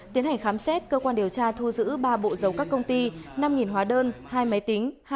tiến hành khám xét cơ quan điều tra thu giữ ba bộ dấu các công ty năm hóa đơn hai máy tính